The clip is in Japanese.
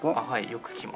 よく来ます。